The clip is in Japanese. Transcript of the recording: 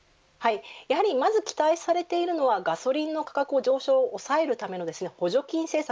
まず期待されているのはガソリンの価格上昇を抑えるための補助金政策